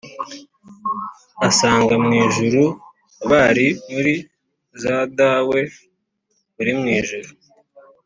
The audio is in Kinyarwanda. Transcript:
asanga mw'ijuru bari muri za dawe uli mw"ijuru